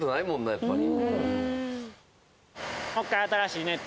やっぱり。